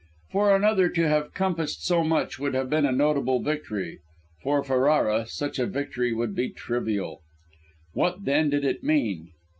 For another to have compassed so much, would have been a notable victory; for Ferrara, such a victory would be trivial. What then, did it mean?